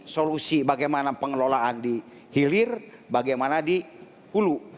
solusi bagaimana pengelolaan di hilir bagaimana di hulu